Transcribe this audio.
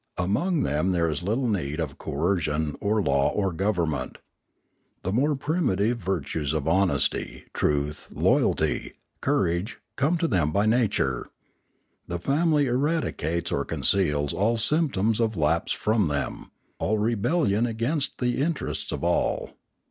Amongst them there is little need of coercion or law or govern ment; the more primitive virtues of honesty, truth, loyalty, courage, come to them by nature; the family eradicates or conceals all symptoms of lapse from them, all rebellion against the interests of all.